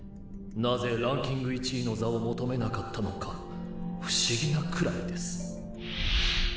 なぜランキング１位の座を求めなかったのか不思議なくらいです。